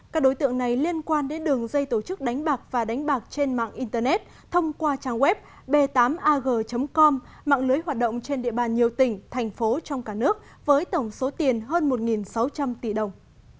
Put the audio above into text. các đối tượng này liên quan đến đường dây tổ chức đánh bạc và đánh bạc trên mạng internet thông qua trang web b tám ag com mạng lưới hoạt động trên địa bàn nhiều tỉnh thành phố trong cả nước với tổng số tiền hơn một sáu trăm linh tỷ đồng